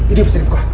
ini bisa diperkuat